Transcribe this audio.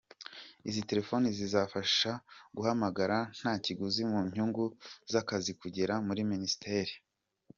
Izo telefoni zizabafasha guhamara nta kiguzi mu nyungu z’akazi kugera muri Minisiteri.